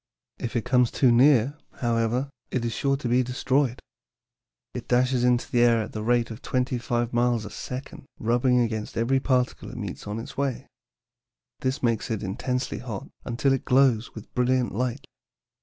If it comes too near, however, it is sure to be destroyed. It dashes into the air at the rate of twenty five miles a second, rubbing against every particle it meets on its way. This makes it intensely hot, until it glows with brilliant light.